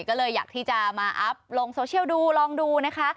ก็เลยอยากที่จะมาอัพลงโซเชียลดูลองดูนะคะ